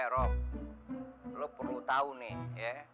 eh rob lo perlu tahu nih ya